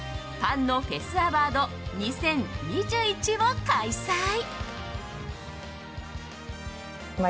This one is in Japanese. パンのフェスアワード２０２１を開催。